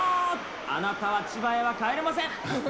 あなたは千葉へは帰れません。